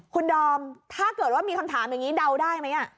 คุณดอมถ้าเกิดว่ามีคำถามอย่างนี้เดาได้ไหม